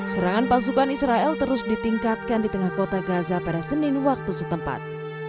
serangan pasukan israel terus ditingkatkan di tengah kota gaza pada senin waktu setempat